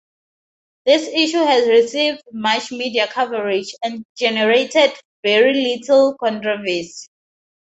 This issue has received much media coverage, and generated very little controversy.